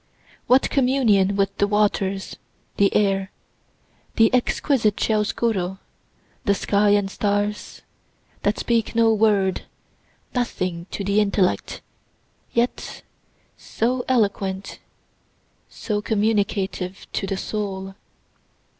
What communion with the waters, the air, the exquisite chiaroscuro the sky and stars, that speak no word, nothing to the intellect, yet so eloquent, so communicative to the soul.